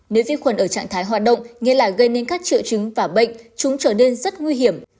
nếu vi khuẩn ở trạng thái hoạt động nghĩa là gây nên các triệu chứng và bệnh chúng trở nên rất nguy hiểm